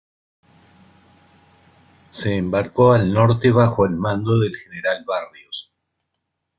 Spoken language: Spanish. Se embarcó al norte bajo el mando del general Barrios.